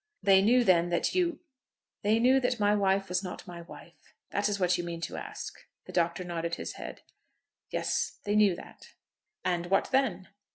"They knew then that you " "They knew that my wife was not my wife. That is what you mean to ask?" The Doctor nodded his head. "Yes, they knew that." "And what then?"